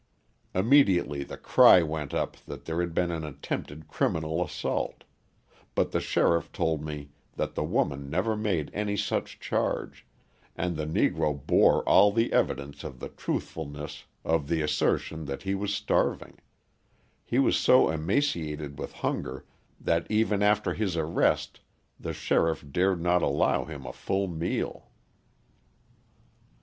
Immediately the cry went up that there had been an attempted criminal assault, but the sheriff told me that the woman never made any such charge and the Negro bore all the evidence of the truthfulness of the assertion that he was starving; he was so emaciated with hunger that even after his arrest the sheriff dared not allow him a full meal.